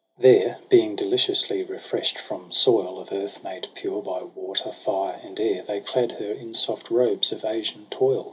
There being deliciously refresht, from soil Of earth made pure by water, fire, and air. They clad her in soft robes of Asian toil.